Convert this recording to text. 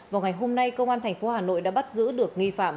vào ngày hôm nay công an thành phố hà nội đã bắt giữ được nghi phạm